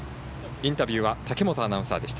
インタビューは武元アナウンサーでした。